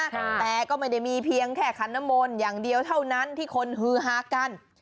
แต่ก็ไม่ได้มีเพียงแค่ขันน้ำมนต์อย่างเดียวเท่านั้นที่คนฮือฮากัน